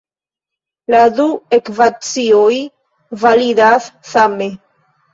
La du ekvacioj validas same.